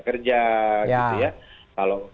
kerja gitu ya kalau